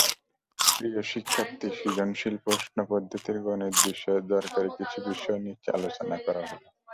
প্রিয় শিক্ষার্থী, সৃজনশীল প্রশ্নপদ্ধতির গণিত বিষয়ের দরকারি কিছু বিষয় নিচে আলোচনা করা হলো।